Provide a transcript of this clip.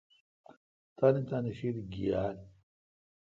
تانی تانی شی تہ گییال۔